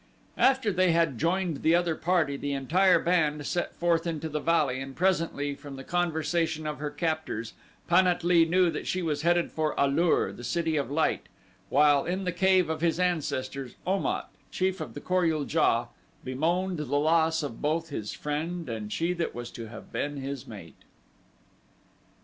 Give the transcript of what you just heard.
After they had joined the other party the entire band set forth into the valley and presently, from the conversation of her captors, Pan at lee knew that she was headed for A lur, the City of Light; while in the cave of his ancestors, Om at, chief of the Kor ul JA, bemoaned the loss of both his friend and she that was to have been his mate.